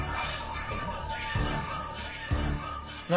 「」何？